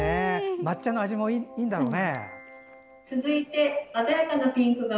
抹茶の味もいいんだろうね。